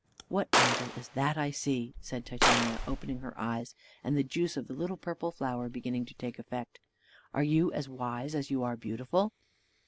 what angel is that I see?" said Titania, opening her eyes, and the juice of the little purple flower beginning to take effect: "are you as wise as you are beautiful?"